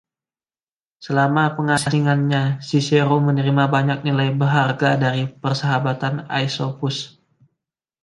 Selama pengasingannya, Cicero menerima banyak nilai berharga dari persahabatan Aesopus.